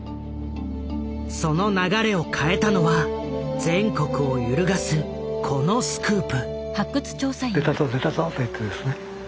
その流れを変えたのは全国を揺るがすこのスクープ。